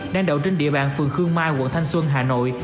đang đậu trên địa bàn phường khương mai quận thanh xuân hà nội